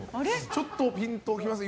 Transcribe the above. ちょっとピンときません。